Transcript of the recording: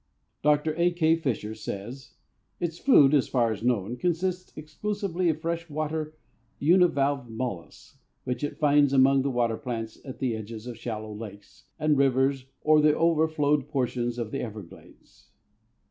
Dr. A. K. Fisher says, "Its food, as far as known, consists exclusively of fresh water univalve mollusks, which it finds among the water plants at the edges of shallow lakes and rivers or the overflowed portions of the everglades.